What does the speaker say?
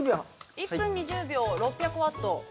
◆１分２０秒６００ワット。